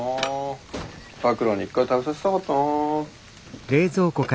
咲良に一回食べさせたかったな。